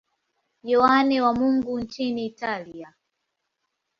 Yohane wa Mungu nchini Italia.